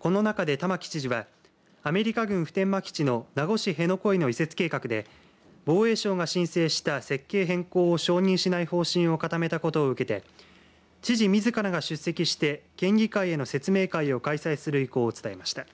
この中で、玉城知事はアメリカ軍普天間基地の名護市辺野古への移設計画で防衛省が申請した設計変更を承認しない方針を固めたことを受けて知事みずからが出席して県議会への説明会を開催する意向を伝えました。